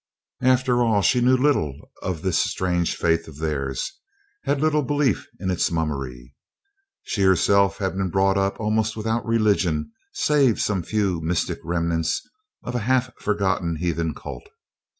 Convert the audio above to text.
After all, she knew little of this strange faith of theirs had little belief in its mummery. She herself had been brought up almost without religion save some few mystic remnants of a half forgotten heathen cult.